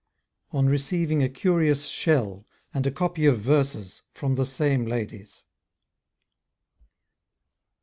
ON RECEIVING A CURIOUS SHELL, AND A COPY OF VERSES, FROM THE SAME LADIES.